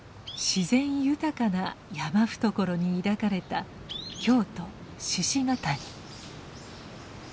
自然豊かな山懐に抱かれた京都鹿ケ谷。